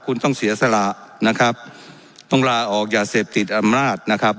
คุณต้องเสียสละนะครับต้องลาออกอย่าเสพติดอำนาจนะครับ